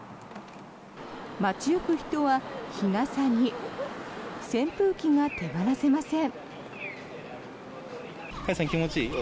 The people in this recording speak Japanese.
街行く人は日傘に扇風機が手放せません。